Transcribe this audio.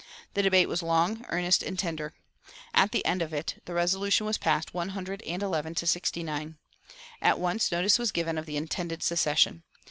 The debate was long, earnest, and tender. At the end of it the resolution was passed, one hundred and eleven to sixty nine. At once notice was given of the intended secession.